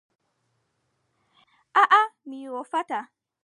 Yoofam le aaʼa mi yoofataaa.